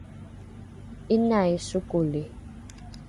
’inai sokoli